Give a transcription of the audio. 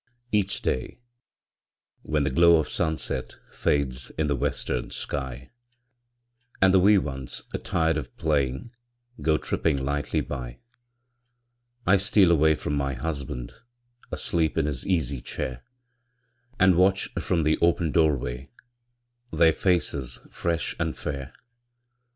Each day, when the glow of sunset Fades in the western sky, And the wee ones, tired of playing, Go tripping lightly by, I steal away from my husband, Asleep in his easy chair, And watch from the open door way Their faces fresh and fair.